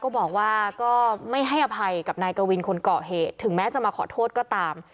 ก็บอกว่าก็ไม่ให้อภัยกับนายกวินคนเกาะเหตุถึงแม้จะมาขอโทษก็ตาม